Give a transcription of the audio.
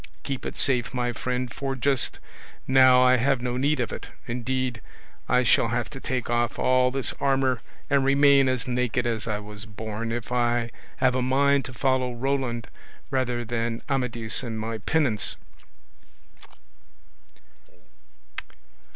Keep it safe, my friend, for just now I have no need of it; indeed, I shall have to take off all this armour and remain as naked as I was born, if I have a mind to follow Roland rather than Amadis in my penance."